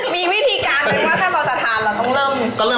มีวิธีการไหมว่าถ้าเราจะทานเราต้องเริ่ม